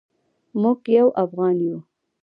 موږ یو افغان یو.